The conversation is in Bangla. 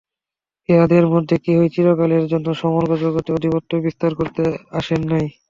ইঁহাদের মধ্যে কেহই চিরকালের জন্য সমগ্র জগতে আধিপত্য বিস্তার করিতে আসেন নাই।